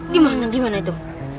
di mana di mana itu